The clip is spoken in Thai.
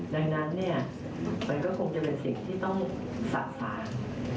ดังนั้นเนี่ยมันก็คงจะเป็นสิ่งที่ต้องสั่งสาร